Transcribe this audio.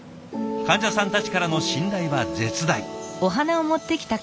患者さんたちからの信頼は絶大。